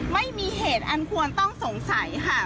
ไม่มีเหตุอันควรต้องสงสัยค่ะ